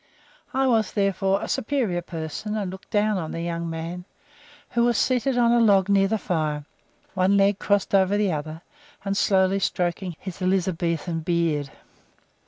I was, therefore, a superior person, and looked down on the young man, who was seated on a log near the fire, one leg crossed over the other, and slowly stroking his Elizabethan beard.